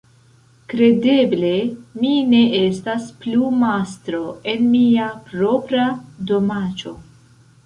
Kredeble, mi ne estas plu mastro en mia propra domaĉo!